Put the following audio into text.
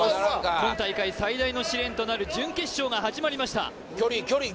今大会最大の試練となる準決勝が始まりました